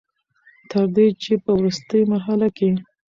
تر دې چې په ورورستۍ مرحله کښې